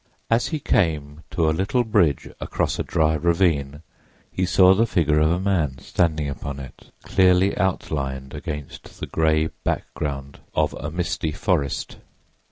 As he came to a little bridge across a dry ravine he saw the figure of a man standing upon it, clearly outlined against the gray background of a misty forest.